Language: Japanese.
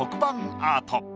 アート。